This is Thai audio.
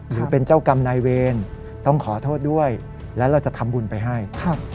หรือเป็นเจ้ากรรมนายเวรต้องขอโทษด้วยและเราจะทำบุญไปให้ครับ